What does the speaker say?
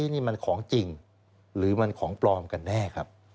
นี่มันของจริงหรือมันของปลอมกันแน่ครับ